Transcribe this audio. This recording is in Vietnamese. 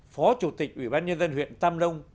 phó chủ tịch ủy ban nhân dân huyện tâm đông